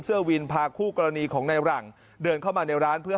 เสื้อวินพาคู่กรณีของในหลังเดินเข้ามาในร้านเพื่อ